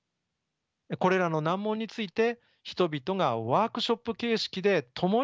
これらの難問について人々がワークショップ形式で共に考え